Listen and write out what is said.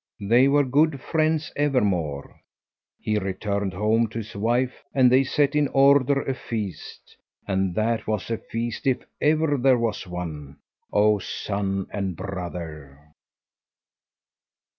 They were good friends evermore. He returned home to his wife, and they set in order a feast; and that was a feast if ever there was one, oh son and brother.